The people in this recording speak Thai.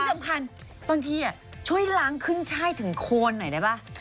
สำคัญบางทีช่วยล้างขึ้นช่ายถึงโคนหน่อยได้ป่ะ